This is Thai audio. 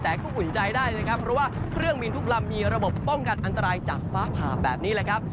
แต่ก็อุ่นใจได้นะครับเพราะว่าเครื่องบินทุกลำมีระบบป้องกันอันตรายจากฟ้าผ่าแบบนี้แหละครับ